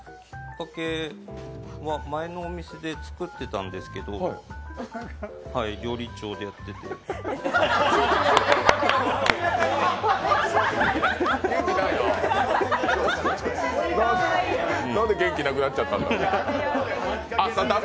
きっかけは前のお店で作ってたんですけど、料理長でやっててなんで元気なくなっちゃったんだろう？